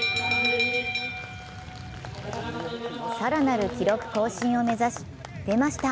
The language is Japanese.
更なる記録更新を目指し、出ました！